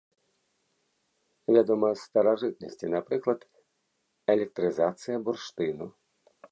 Вядома з старажытнасці, напрыклад, электрызацыя бурштыну.